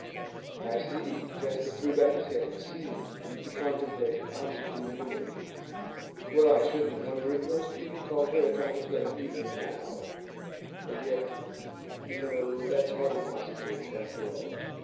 'I see.' Jasper threw back his head and seemed to contemplate an object in memory. 'Well, I shouldn't wonder if most people called her a trifle plain even now; and yet no, that's hardly possible, after all.